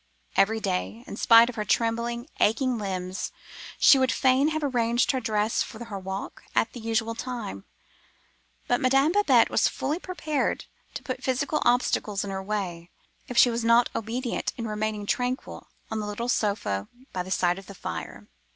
Every day, in spite of her trembling, aching limbs, she would fain have arranged her dress for her walk at the usual time; but Madame Babette was fully prepared to put physical obstacles in her way, if she was not obedient in remaining tranquil on the little sofa by the side of the fire.